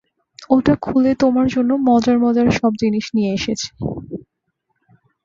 ওটা খুলে তোমার জন্য মজার মজার সব জিনিস নিয়ে এসেছি।